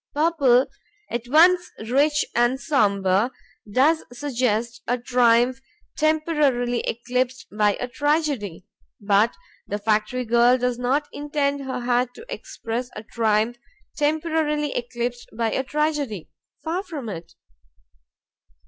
Purple, at once rich and somber, does suggest a triumph temporarily eclipsed by a tragedy. But the factory girl does not intend her hat to express a triumph temporarily eclipsed by a tragedy; far from it.